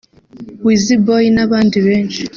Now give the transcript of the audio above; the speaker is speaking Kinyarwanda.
Wizzyboy n’abandi benshi